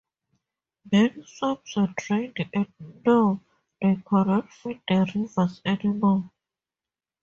Many swamps were drained and now they cannot feed the rivers anymore.